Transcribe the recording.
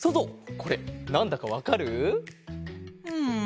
これなんだかわかる？ん。